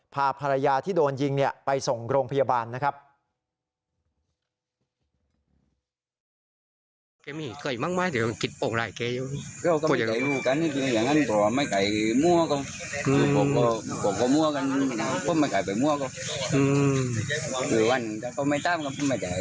พาภรรยาที่โดนยิงไปส่งโรงพยาบาลนะครับ